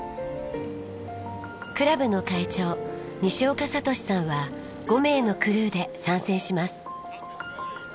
クラブの会長西岡悟さんは５名のクルーで参戦します。